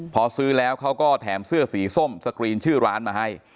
พอซื้อแล้วเขาก็แถมเสื้อสีส้มสกรีนชื่อร้านมาให้